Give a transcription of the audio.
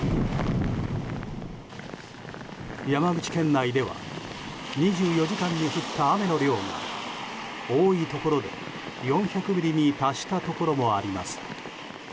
山口県内では２４時間に降った雨の量が多いところで４００ミリに達したところもあります。